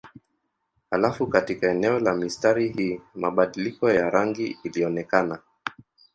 Halafu katika eneo la mistari hii mabadiliko ya rangi ilionekana.